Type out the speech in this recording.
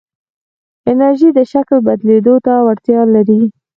انرژی د شکل بدلېدو وړتیا لري.